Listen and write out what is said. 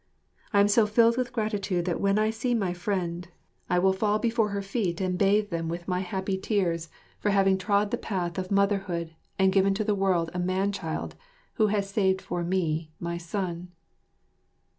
I am so filled with gratitude that when I see my friend, I will fall before her feet and bathe them with my happy tears for having trod the path of motherhood and given to the world a man child, who has saved for me my son.